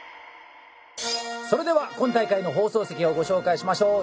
それでは今大会の放送席をご紹介しましょう。